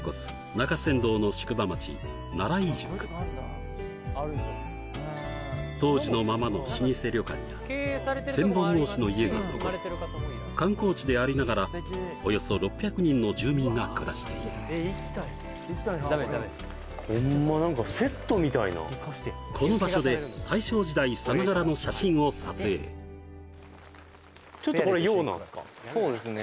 中山道の宿場町奈良井宿当時のままの老舗旅館や千本格子の家が残り観光地でありながらおよそ６００人の住民が暮らしているこの場所で大正時代さながらの写真を撮影そうですね